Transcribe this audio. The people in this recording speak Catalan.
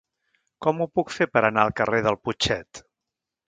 Com ho puc fer per anar al carrer del Putxet?